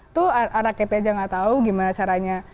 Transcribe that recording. itu anak anaknya aja gak tahu gimana caranya